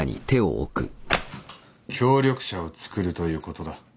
協力者をつくるということだ。